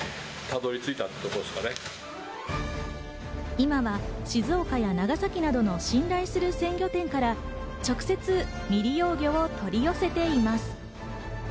今は静岡や長崎などの信頼する鮮魚店から直接、未利用魚を取り寄せています。